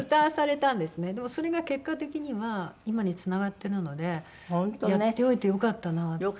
でもそれが結果的には今につながってるのでやっておいてよかったなって。